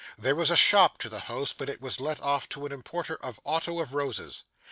There was a shop to the house, but it was let off to an importer of otto of roses.